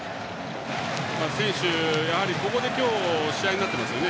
選手、ここでやはり試合になっていますよね。